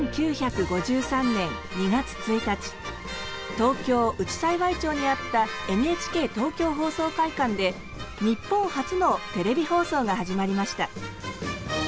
東京・内幸町にあったＮＨＫ東京放送会館で日本初のテレビ放送が始まりました。